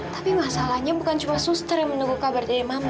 tapi masalahnya bukan cuma suster yang menunggu kabar dari mama